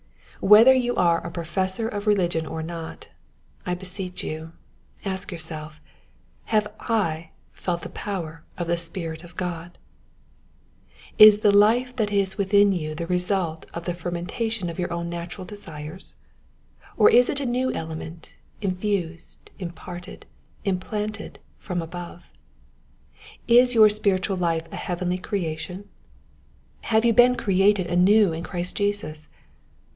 Whether you are a professor of religion or not, I beseech you, ask yourself — Have I felt the power of tlie Spirit of God ? Is the life that is within you the result of the fer mentation of your own natural desires ? Or is it a new element, infused, imparted, implanted from above ? Is your spiritual life a heavenly creatt »? Have you been created anew in Christ Jesus?